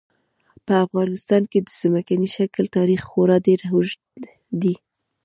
په افغانستان کې د ځمکني شکل تاریخ خورا ډېر اوږد دی.